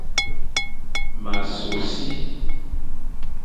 M a so si.